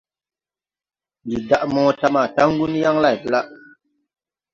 Ndi daʼ mota ma taŋgu yaŋ layblaʼ.